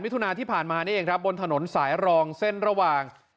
ถุนาที่ผ่านมานี่เองครับบนถนนสายรองเส้นระหว่าง